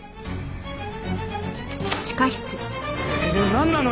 なんなの！？